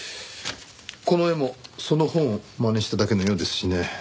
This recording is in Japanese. この絵もその本をまねしただけのようですしね。